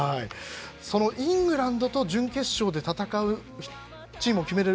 そのイングランドと準決勝で戦うチームを決める